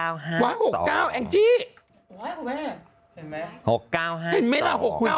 ว้าว๖๙๕๒แอ้งจี้ไว้กับแม่เห็นมั้ย